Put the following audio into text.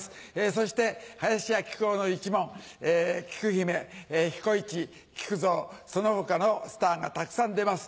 そして林家木久扇の一門きく姫彦いち木久蔵その他のスターがたくさん出ます。